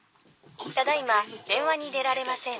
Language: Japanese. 「ただいまでんわに出られません」。